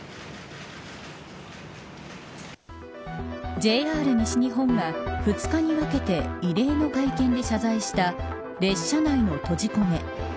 ＪＲ西日本が２日に分けて異例の会見で謝罪した列車内の閉じ込め。